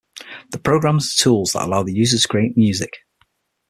The programs are tools that allow the user to create music.